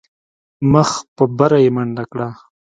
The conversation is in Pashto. مخ په بره مې منډه کړه.